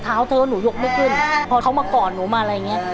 เท้าเธอหนูยกไม่ขึ้นพอเขามากอดหนูมาอะไรอย่างเงี้ย